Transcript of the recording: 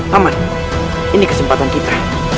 paman ini kesempatan kita